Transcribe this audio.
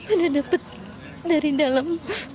ada dapat dari dalam